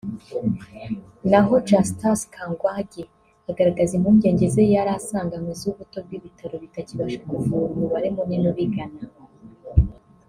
naho Justus Kangwagye agaragaza impungenge ze yari asanganywe z’ubuto bw’ibitaro bitakibasha kuvura umubare munini ubigana